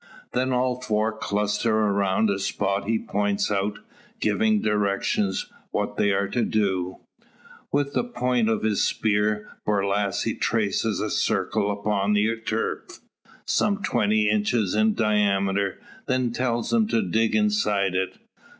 Then all four cluster around a spot he points out, giving directions what they are to do. With the point of his spear Borlasse traces a circle upon the turf, some twenty inches in diameter; then tells them to dig inside it.